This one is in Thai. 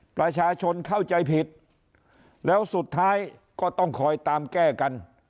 ประชาชนเข้าใจผิดแล้วสุดท้ายก็ต้องคอยตามแก้กัน